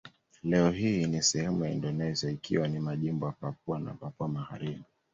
Leo hii ni sehemu ya Indonesia ikiwa ni majimbo ya Papua na Papua Magharibi.